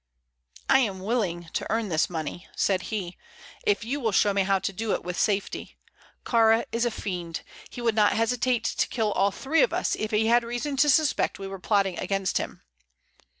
"I am willing to earn this money," said he, "if you will show me how to do it with safety. Kāra is a fiend. He would not hesitate to kill all three of us if he had reason to suspect we were plotting against him."